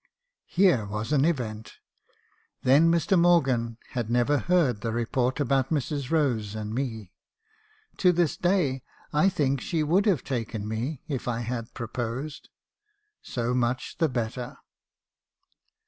"Here was an event! Then Mr. Morgan had never heard the report about Mrs. Rose and me. (To this day, I think she would have taken me , if I had proposed.) So much the better.